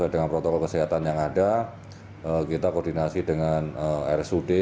dengan protokol kesehatan yang ada kita koordinasi dengan rsud